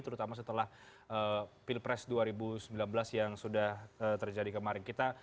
terutama setelah pilpres dua ribu sembilan belas yang sudah terjadi kemarin kita